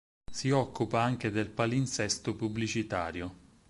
Si occupa anche del palinsesto pubblicitario.